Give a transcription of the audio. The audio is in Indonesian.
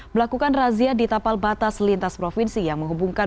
melakukan razia di tapal batas lintas provinsi yang menghubungkan